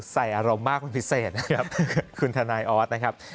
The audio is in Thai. ใส่อารมณ์มากเป็นพิเศษนะครับคุณทนายออสนะครับ